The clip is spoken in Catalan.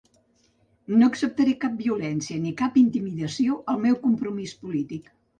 No acceptaré cap violència ni cap intimidació al meu compromís polític.